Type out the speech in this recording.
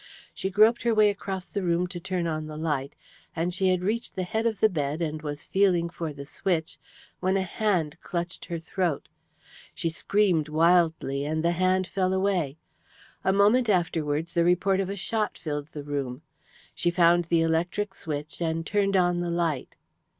She groped her way across the room to turn on the light, and she had reached the head of the bed and was feeling for the switch when a hand clutched her throat. She screamed wildly, and the hand fell away. A moment afterwards the report of a shot filled the room. She found the electric switch, and turned on the light.